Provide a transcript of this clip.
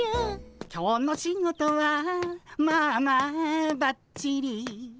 「今日の仕事はまあまあばっちり」